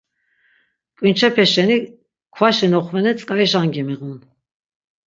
K̆vinçepe şeni kvaşi noxvene tzk̆ayiş angi miğun.